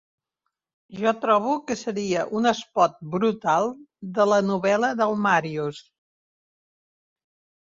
Jo trobo que seria un espot brutal de la novel·la del Màrius.